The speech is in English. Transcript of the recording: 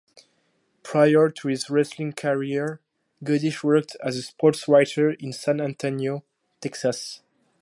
Prior to his wrestling career, Goodish worked as a sportswriter in San Antonio, Texas.